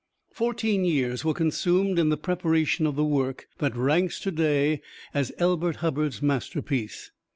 Fourteen years were consumed in the preparation of the work that ranks today as Elbert Hubbard's masterpiece.